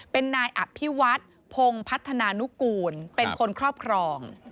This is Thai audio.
เป็นนายอภิวัฒน์พงศ์พัฒนานุกูลเป็นคนครอบครอง